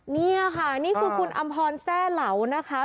นี่ค่ะนี่คือคุณอำพรแซ่เหลานะคะ